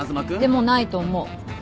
でもないと思う。